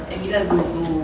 em nghĩ là dù